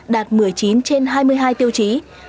đạt một mươi chín trên hai mươi hai tiêu chí